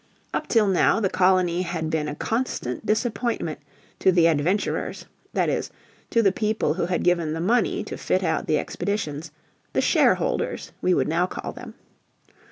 Up till now the colony had. been a constant disappointment to the "adventurers" that is, to the people who had given the money to fit out the expeditions the shareholders we would now call them.